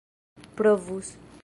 provus